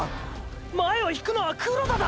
前を引くのは黒田だ！！